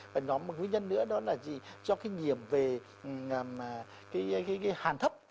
và nhóm một nguyên nhân nữa đó là do cái nghiệm về cái hàn thấp